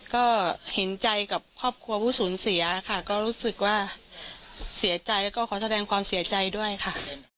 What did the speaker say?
ก็เห็นใจกับครอบครัวผู้สูญเสียค่ะก็รู้สึกว่าเสียใจแล้วก็ขอแสดงความเสียใจด้วยค่ะ